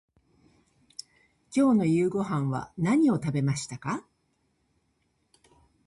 今日の夕ごはんは何を食べましたか。